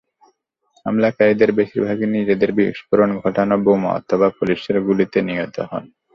হামলাকারীদের বেশির ভাগই নিজেদের বিস্ফোরণ ঘটানো বোমা অথবা পুলিশের গুলিতে নিহত হন।